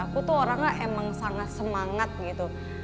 aku tuh orangnya emang sangat semangat gitu